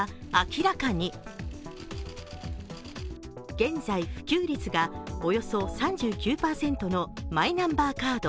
現在、普及率がおよそ３９％のマイナンバーカード。